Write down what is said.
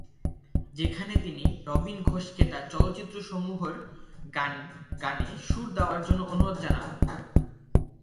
সেখানে তিনি রবিন ঘোষকে তার চলচ্চিত্রসমূহের গানে সুর দেয়ার জন্য অনুরোধ জানান।